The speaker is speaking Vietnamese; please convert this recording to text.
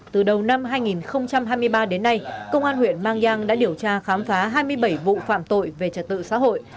từ đầu năm hai nghìn hai mươi ba đến nay công an huyện mang giang đã điều tra khám phá hai mươi bảy vụ phạm tội về trật tự xã hội